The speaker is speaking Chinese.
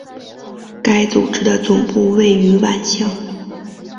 该组织的总部位于万象。